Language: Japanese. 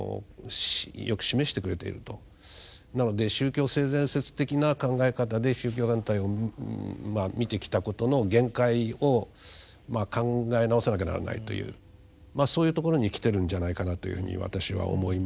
なので宗教性善説的な考え方で宗教団体を見てきたことの限界をまあ考え直さなきゃならないというそういうところにきてるんじゃないかなというふうに私は思います。